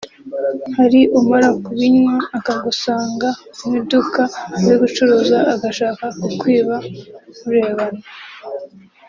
Hari umara kubinywa akagusanga mu iduka uri gucuruza agashaka kukwiba murebana